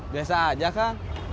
biasa saja kang